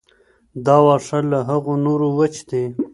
دا واښه له هغو نورو وچ دي.